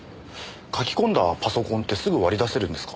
書き込んだパソコンってすぐ割り出せるんですか？